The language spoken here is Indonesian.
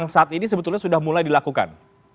yang saat ini sebetulnya sudah mulai dilakukan